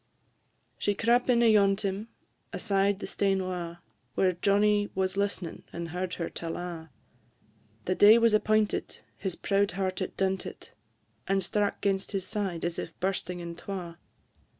She crap in ayont him, aside the stane wa', Whare Johnnie was list'ning, and heard her tell a'; The day was appointed, his proud heart it dunted, And strack 'gainst his side as if bursting in twa.